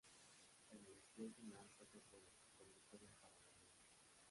En el sprint final fue tercero, con victoria para Valverde.